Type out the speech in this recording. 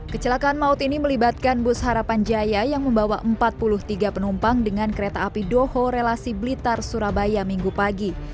kecelakaan maut ini melibatkan bus harapan jaya yang membawa empat puluh tiga penumpang dengan kereta api doho relasi blitar surabaya minggu pagi